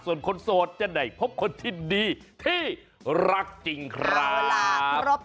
ส่วนคนโสดจะได้พบคนที่ดีที่รักจริงครับ